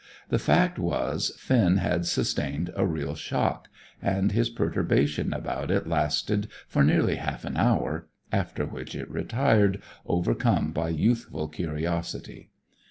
The fact was Finn had sustained a real shock, and his perturbation about it lasted for nearly half an hour, after which it retired, overcome by youthful curiosity.